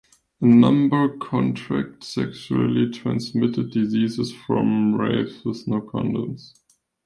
A number contract sexually transmitted diseases from rapes with no condoms.